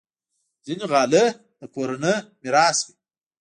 ځینې غالۍ د کورنۍ میراث وي.